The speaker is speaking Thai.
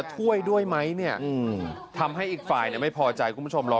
ยังครับคือแม่คะพอปรับให้กินน้ำซุปให้หมด